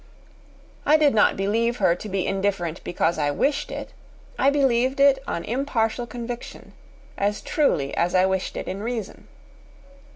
I did not believe her to be indifferent because I wished it; I believed it on impartial conviction, as truly as I wished it in reason.